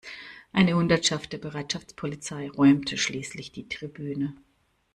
Eine Hundertschaft der Bereitschaftspolizei räumte schließlich die Tribüne.